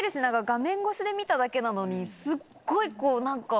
画面越しで見ただけなのにすっごい何か。